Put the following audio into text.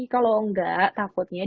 kalau enggak takutnya